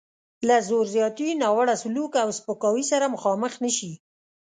له زور زیاتي، ناوړه سلوک او سپکاوي سره مخامخ نه شي.